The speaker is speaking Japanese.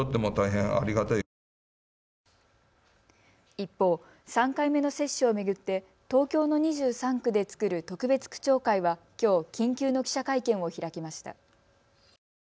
一方、３回目の接種を巡って東京の２３区で作る特別区長会はきょう緊急の記者会見を開きました。